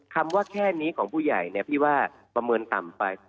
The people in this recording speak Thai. คำว่าแค่นี้ของผู้ใหญ่เนี่ยพี่ว่าประเมินต่ำไป